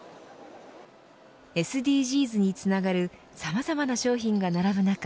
ＳＤＧｓにつながるさまざまな商品が並ぶ中